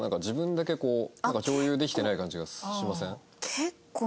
自分だけこう共有できてない感じがしません？